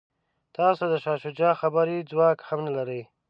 تاسو د شاه شجاع خبرو ځواک هم نه لرئ.